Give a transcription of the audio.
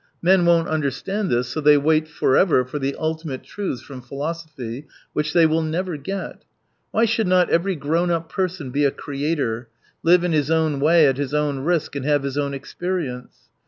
Men won't understand this, so they wait forever for the ultimate truths from philosophy, which they will never get. Why should not every grown up person be a creator, live in his own way at his own risk and have his own experience